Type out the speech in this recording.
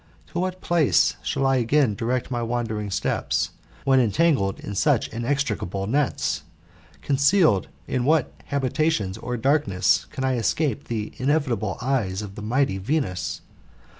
To what place shall I again direct my wandering steps, when entangled in such inextricable nets ? Concealed in what habitations or darkness can I escape the inevitable eyes of the mighty Venus